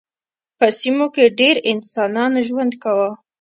په سیمو کې ډېر انسانان ژوند کاوه.